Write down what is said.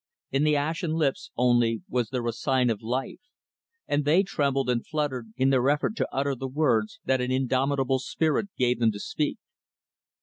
In the ashen lips, only, was there a sign of life; and they trembled and fluttered in their effort to utter the words that an indomitable spirit gave them to speak.